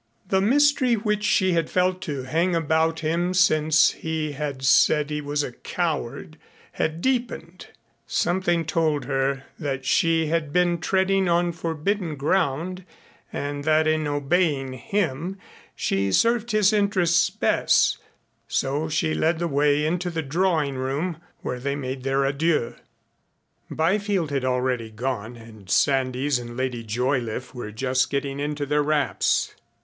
The mystery which she had felt to hang about him since he had said he was a coward had deepened. Something told her that she had been treading on forbidden ground and that in obeying him she served his interests best, so she led the way into the drawing room, where they made their adieux. Byfield had already gone and Sandys and Lady Joyliffe were just getting into their wraps.